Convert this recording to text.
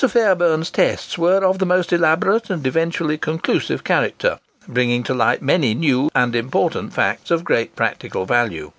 Fairbairn's tests were of the most elaborate and eventually conclusive character, bringing to light many new and important facts of great practical value.